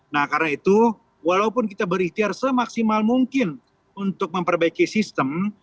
nah karena itu walaupun kita berikhtiar semaksimal mungkin untuk memperbaiki sistem